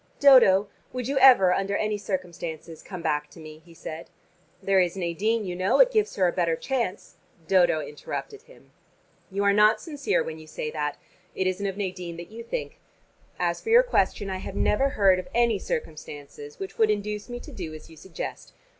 "Dodo, would you ever under any circumstances come back to me?" he said. "There is Nadine, you know. It gives her a better chance " Dodo interrupted him. "You are not sincere when you say that. It isn't of Nadine that you think. As for your question, I have never heard of any circumstances which would induce me to do as you suggest.